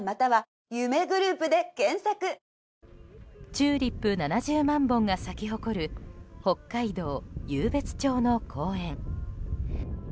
チューリップ７０万本が咲き誇る、北海道湧別町の公園。